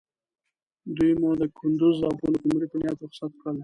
دوی مو د کندوز او پلخمري په نیت رخصت کړل.